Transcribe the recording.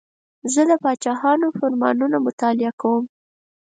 زه د پاچاهانو فرمانونه مطالعه کوم.